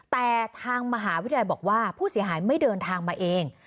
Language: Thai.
แต่ทางมหาวิทยาลัยบอกว่าผู้เสียหายไม่เดินทางมาเอง